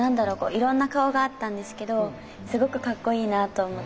いろんな顔があったんですけどすごくかっこいいなと思って。